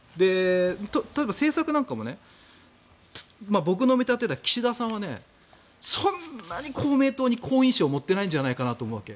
例えば政策なんかも僕の見立てでは、岸田さんはそんなに公明党に好印象を持ってないんじゃないかなと思うわけ。